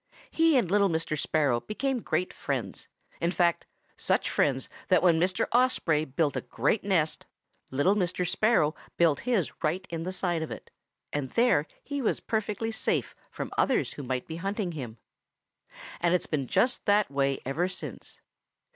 He and little Mr. Sparrow became great friends, in fact, such friends that when Mr. Osprey built a great nest, little Mr. Sparrow built his right in the side of it, and there he was perfectly safe from others who might be hunting him. And it's been just that way ever since.